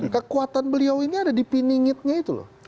kekuatan beliau ini ada di piningitnya itu loh